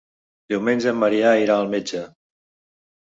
Diumenge en Maria irà al metge.